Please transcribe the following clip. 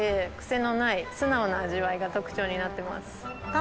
が特徴になってます。